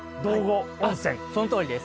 そのとおりです！